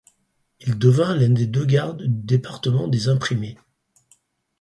Il devint l’un des deux gardes du Département des imprimés.